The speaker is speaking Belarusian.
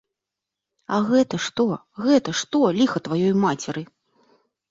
А гэта што, гэта што, ліха тваёй мацеры?